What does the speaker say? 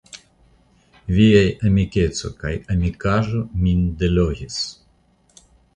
Viaj amikeco kaj amikaĵo min delogis.